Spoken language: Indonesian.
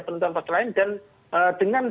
penentuan pasal lain dan dengan